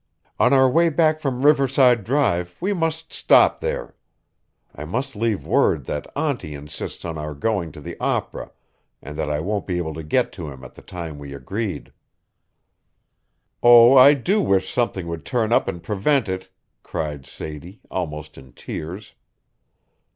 On our way back from Riverside Drive we must stop there. I must leave word that auntie insists on our going to the opera and that I won't be able to get to him at the time we agreed." "Oh, I do wish something would turn up and prevent it," cried Sadie, almost in tears.